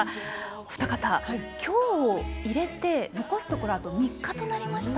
お二方、今日を入れて残すところあと３日となりました。